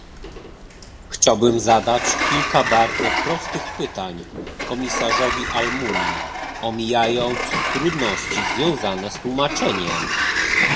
Chciałbym zadać kilka bardzo prostych pytań komisarzowi Almunii, omijając trudności związane z tłumaczeniem